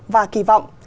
và kỳ vọng